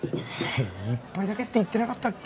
１杯だけって言ってなかったっけ？